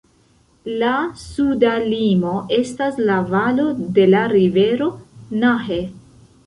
La suda limo estas la valo dela rivero Nahe.